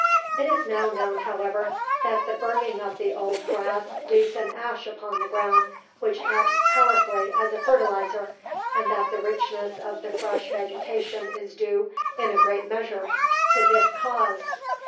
It is now known, however, that the burning of the old grass leaves an ash upon the ground which acts powerfully as a fertilizer, and that the richness of the fresh vegetation is due, in a great measure, to this cause.